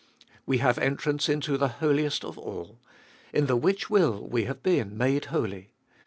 We have entrance into the Holiest of All. In the which will we have been made holy.